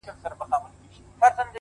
• ستا په سترگو کي سندري پيدا کيږي ـ